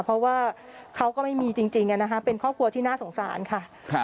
เพราะว่าเขาก็ไม่มีจริงเป็นครอบครัวที่น่าสงสารค่ะ